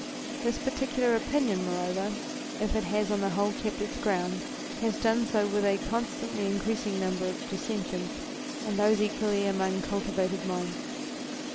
This particular opinion, moreover, if it has on the whole kept its ground, has \ done so with a constantly increasing number of dis sentients, and those especially among cultivated minds.